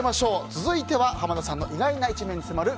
続いては濱田さんの意外な一面に迫る